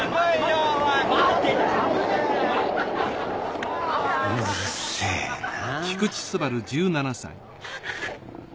うるせえなあ。